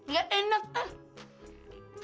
gak enak ah